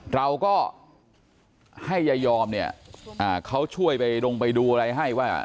เราก็ให้ยายอมเนี่ยเขาช่วยไปลงไปดูอะไรให้ว่า